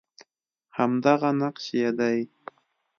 همدغه نقش یې دی